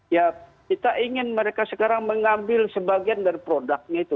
ya kita ingin mereka sekarang mengambil sebagian dari produknya itu